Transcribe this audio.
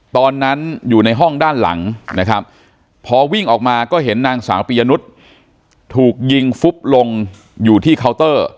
ตอนนั้นอยู่ในห้องด้านหลังนะครับพอวิ่งออกมาก็เห็นนางสาวปียนุษย์ถูกยิงฟุบลงอยู่ที่เคาน์เตอร์